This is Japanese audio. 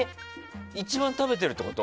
一番食べてるってこと？